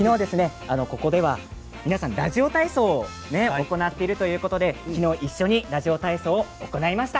ここでは皆さんラジオ体操を行っているということで昨日一緒にラジオ体操を行いました。